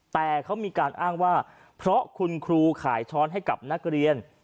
แต่เขามีการอ้างว่าเพราะคุณครูขายช้อนให้กับนักเรียน